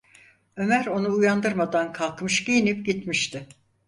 Ömer onu uyandırmadan kalkmış giyinip gitmişti.